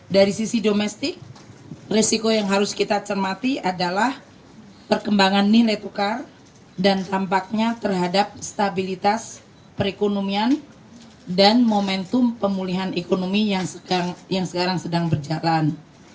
dari sisi domestik resiko yang harus kita cermati adalah perkembangan nilai tukar dan tampaknya terhadap stabilitas perekonomian dan momentum pemulihan ekonomi yang sekarang sedang berjalan